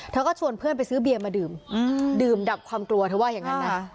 เธอก็ชวนเพื่อนไปซื้อเบียร์มาดื่มดื่มดับความกลัวเธอว่าอย่างนั้นนะ